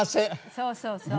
そうそうそう。